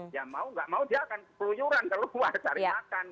ya mau nggak mau dia akan peluyuran keluar cari makan